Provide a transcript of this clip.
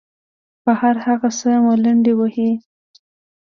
پر هر هغه څه ملنډې وهي.